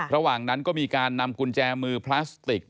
ระหว่างนั้นก็มีการนำกุญแจมือพลาสติก